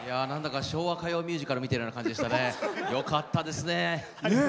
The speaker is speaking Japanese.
昭和歌謡ミュージカルを見ているような感じでしたねよかったですね！